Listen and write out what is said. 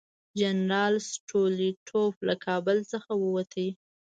جنرال سټولیټوف له کابل څخه ووت.